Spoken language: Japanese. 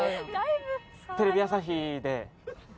テレビ朝日で。